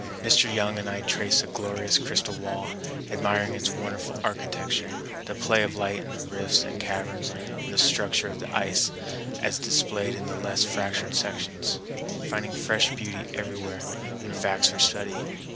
Mr. Young and I traced the glorious crystal wall, admiring its wonderful architecture, the play of light in the rifts and caverns, and the structure of the ice as displayed in the less fractured sections, finding fresh beauty everywhere and facts for study.